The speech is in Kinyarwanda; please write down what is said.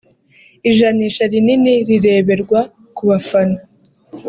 ijanisha rinini rireberwa ku bafana